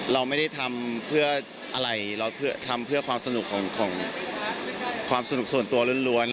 เราไม่ได้ทำเพื่ออะไรเราทำเพื่อความสนุกของความสนุกส่วนตัวล้วน